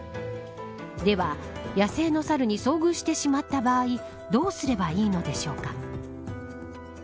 では、野生のサルに遭遇してしまった場合どうすればいいのでしょうか。